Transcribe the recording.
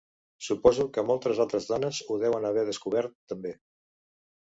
Suposo que moltes altres dones ho deuen haver descobert, també.